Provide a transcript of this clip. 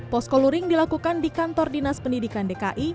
posko luring dilakukan di kantor dinas pendidikan dki